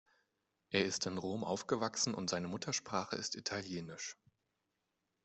Er ist in Rom aufgewachsen, und seine Muttersprache ist Italienisch.